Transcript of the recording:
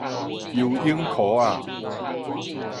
游泳箍仔